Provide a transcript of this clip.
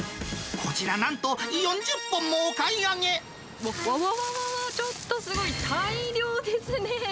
こちら、わわわわわ、ちょっとすごい、大量ですね。